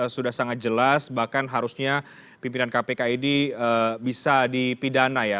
sudah sangat jelas bahkan harusnya pimpinan kpk ini bisa dipidana ya